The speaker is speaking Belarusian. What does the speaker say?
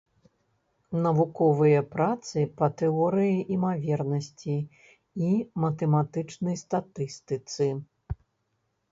Навуковыя працы па тэорыі імавернасці і матэматычнай статыстыцы.